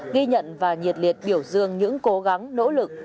ghi nhận và nhiệt liệt biểu dương những cố gắng nỗ lực